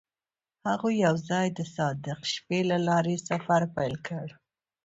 هغوی یوځای د صادق شپه له لارې سفر پیل کړ.